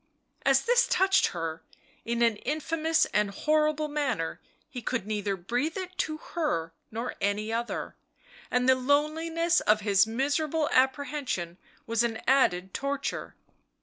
As this touched her, in an infamous and horrible manner, he could neither breathe it to her nor any other, and the loneliness of his miserable apprehension was an added torture.